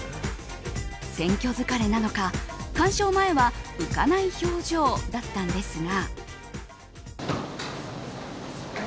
選挙疲れなのか、鑑賞前は浮かない表情だったんですが。